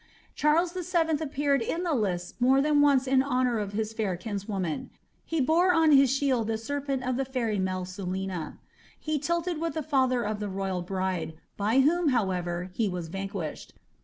Charles VII. appeared in tlu* listii more than once in honour of his fair kinswoman ; he bore on his shield the serpent of the fairy Mrlusina. He tilted with the iklher of tiie royal bride, hy whom, however, he was vanquished.